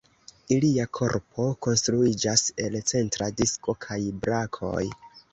Ilia korpo konstruiĝas el centra disko kaj brakoj.